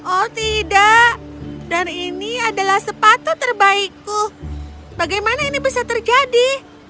oh tidak dan ini adalah sepatu terbaikku bagaimana ini bisa terjadi